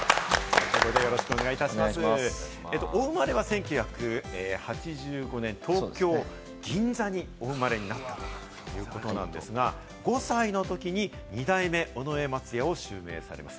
お生まれは１９８５年、東京・銀座にお生まれになったということなんですが、５歳のときに二代目・尾上松也を襲名されます。